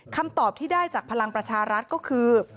คำตอบที่ได้จากพลังประชารัฐก็คือ